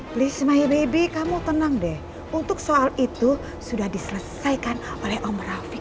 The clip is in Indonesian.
please my baby kamu tenang deh untuk soal itu sudah diselesaikan oleh om rafi